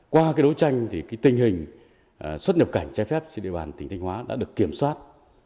qua đối tranh tình hình xuất nhập cảnh che phép trên địa bàn tỉnh thanh hóa đã được kiểm soát